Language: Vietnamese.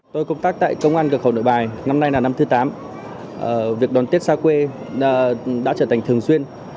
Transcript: tôi công tác tại công an cửa khẩu nội bài năm nay là năm thứ tám việc đón tết xa quê đã trở thành thường xuyên